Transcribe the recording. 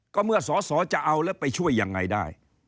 ก็เมื่อสอสอจะเอาแล้วไปช่วยยังไงได้